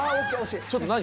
ちょっと何？